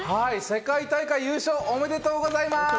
世界大会優勝、おめでとうございます！